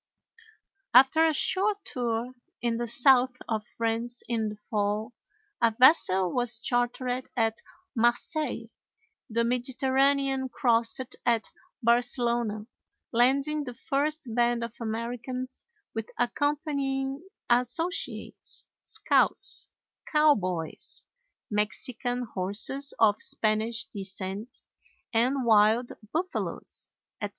After a short tour in the south of France in the fall, a vessel was chartered at Marseilles, the Mediterranean crossed at Barcelona, landing the first band of Americans with accompanying associates, scouts, cowboys, Mexican horses of Spanish descent, and wild buffaloes, etc.